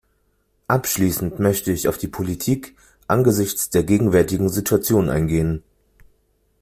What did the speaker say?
Abschließend möchte ich auf die Politik angesichts der gegenwärtigen Situation eingehen.